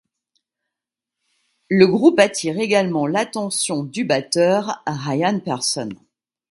Le groupe attire également l'attention du batteur Ryan Pearson.